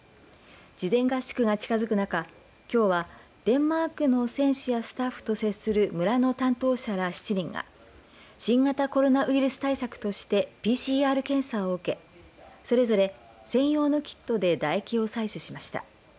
事前合宿が近づく中、きょうはデンマークの選手やスタッフと接する村の担当者ら７人が新型コロナウイルス対策としてＰＣＲ検査を受けそれぞれ、専用のキットでだ液を採取しました。